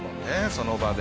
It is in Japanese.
その場で。